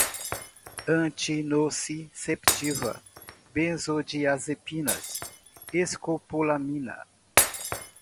antinociceptiva, benzodiazepinas, escopolamina